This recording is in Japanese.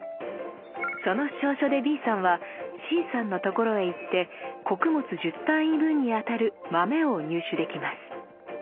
その証書でＢさんはＣさんのところへ行って「穀物１０単位分」にあたる「豆」を入手できます。